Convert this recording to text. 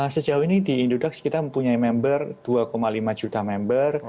sejauh ini di indodax kita mempunyai member dua lima juta member